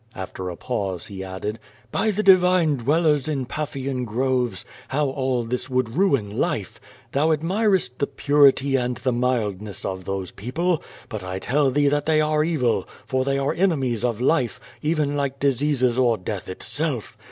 After a pause he added: "IW the divine dwellers in Paphian groves, how all this would ruin life! Thou admirest the i)urity and the mildness of those peoj)le, but 1 tell thee that they arc evil, for they are enemies of life, even like diseases or death itself.